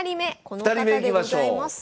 この方でございます。